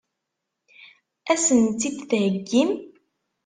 Ad sent-tt-id-theggim?